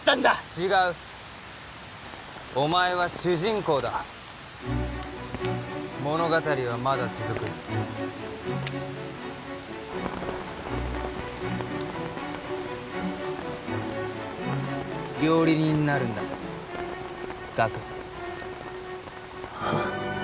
違うお前は主人公だ物語はまだ続く料理人になるんだ岳はっ？